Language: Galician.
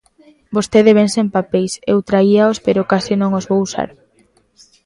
Vostede vén sen papeis, eu traíaos pero case non os vou usar.